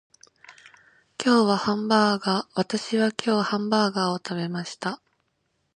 私は今日ハンバーガーを食べました